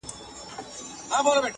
o په ړندو کي يو سترگی پاچا دئ.